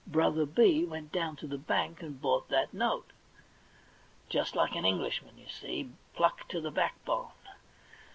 Brother B went down to the Bank and bought that note. Just like an Englishman, you see; pluck to the backbone.